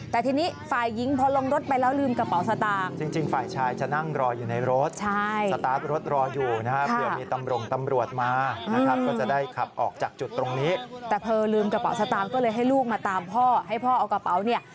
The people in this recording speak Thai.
แต่ทีนี้ฝ่ายยิงพอลงรถไปแล้วลืมกระเป๋าสตางค์